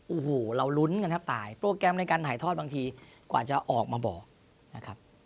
โอ้โหเรารุ้นกันแทบตายโปรแกรมในการถ่ายทอดบางทีกว่าจะออกมาบอกนะครับ